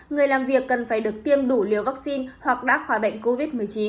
người làm việc cần phải được tiêm đủ liều vaccine hoặc đã khỏi bệnh covid một mươi chín